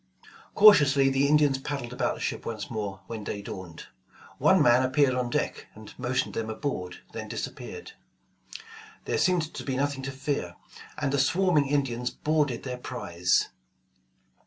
Cautiously the Indians paddled about the ship once more when day dawned. One man appeared on deck and motioned them aboard, then disappeared. There seemed to be nothing to fear, and the swarming Indians boarded their prize.